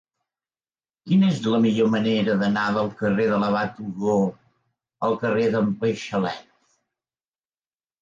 Quina és la millor manera d'anar del carrer de l'Abat Odó al carrer d'en Paixalet?